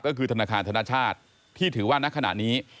ก็คือธนาคารธนชาติที่ถือว่านักขณะนี้